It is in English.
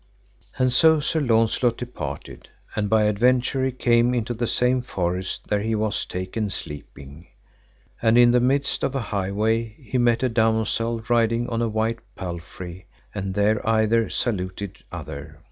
And so Sir Launcelot departed, and by adventure he came into the same forest there he was taken sleeping. And in the midst of a highway he met a damosel riding on a white palfrey, and there either saluted other.